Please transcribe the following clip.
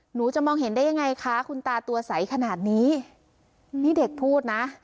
หนูจะมองเห็นได้ยังไงคะคุณตาตัวใสขนาดนี้นี่เด็กพูดนะ